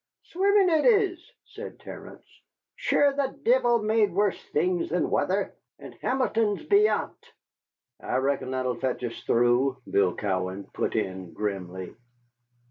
"Swimmin', is it?" said Terence; "sure, the divil made worse things than wather. And Hamilton's beyant." "I reckon that'll fetch us through," Bill Cowan put in grimly.